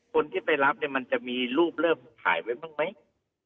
คนที่ไปรับเนี่ยมันจะมีรูปเริ่มถ่ายไว้บ้างไหม